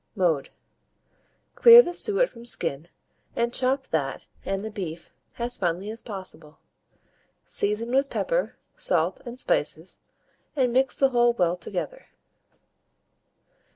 Mode. Clear the suet from skin, and chop that and the beef as finely as possible; season with pepper, salt, and spices, and mix the whole well together.